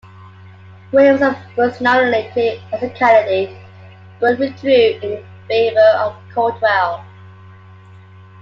Williams was nominated as a candidate, but withdrew in favour of Coldwell.